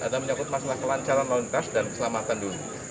ada masalah kelancaran lalunitas dan keselamatan dunia